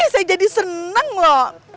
saya jadi seneng lho